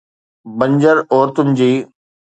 بنجر عورتن جي